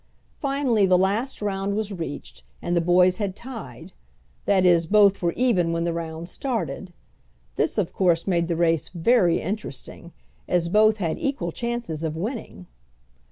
Finally the last round was reached and the boys had tied; that is, both were even when the round started. This of course made the race very interesting, as both had equal chances of winning.